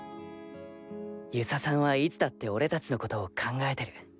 遊佐さんはいつだって俺達のことを考えてる。